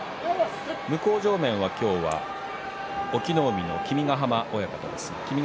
向正面は今日は隠岐の海の君ヶ濱親方です。